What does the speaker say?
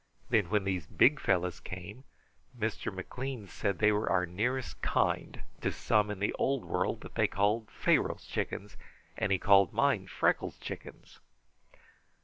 Then when these big black fellows came, Mr. McLean said they were our nearest kind to some in the old world that they called 'Pharaoh's Chickens,' and he called mine 'Freckles' Chickens.'"